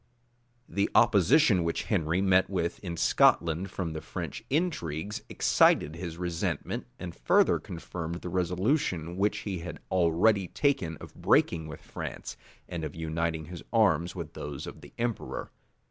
[*] The opposition which Henry met with in Scotland from the French intrigues, excited his resentment, and further confirmed the resolution which he had already taken of breaking with France, and of uniting his arms with those of the emperor.